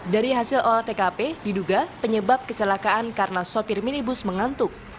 dari hasil olah tkp diduga penyebab kecelakaan karena sopir minibus mengantuk